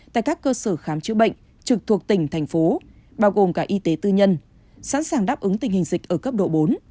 tại các cơ sở khám chữa bệnh trực thuộc tỉnh thành phố bao gồm cả y tế tư nhân sẵn sàng đáp ứng tình hình dịch ở cấp độ bốn